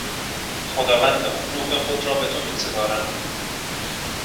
خداوندا، روح خود را به تو میسپارم.